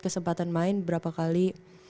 kesempatan main berapa kali